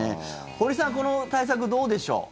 堀さん、この対策どうでしょう？